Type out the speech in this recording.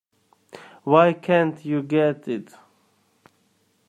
Why can't you get it?